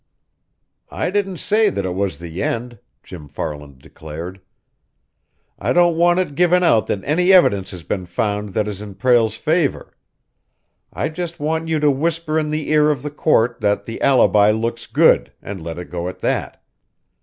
"I didn't say that it was the end," Jim Farland declared. "I don't want it given out that any evidence has been found that is in Prale's favor. I just want you to whisper in the ear of the court that the alibi looks good, and let it go at that.